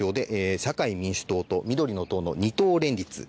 社会民主党と緑の党の２党連立。